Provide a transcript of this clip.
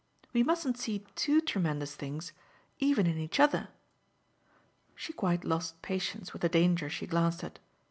We mustn't see TOO tremendous things even in each other." She quite lost patience with the danger she glanced at.